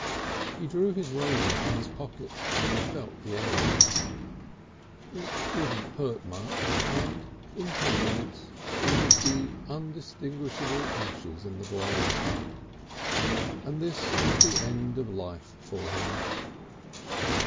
He drew his razor from his pocket and felt the edge. It wouldn't hurt much, and in ten minutes he would be indistinguishable ashes in the blaze. And this was the end of life for him!